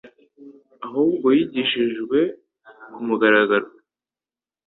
ahubwo yigishijwe ku mugaragaro.